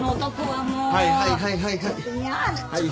はいはいはいはい。